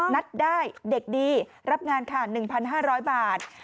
นัดได้เด็กดีรับงานค่ะหนึ่งพันห้าร้อยบาท